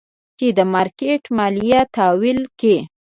چې د مارکېټ ماليه تاويله کي.